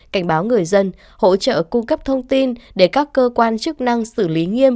cảnh báo người dân hỗ trợ cung cấp thông tin để các cơ quan chức năng xử lý nghiêm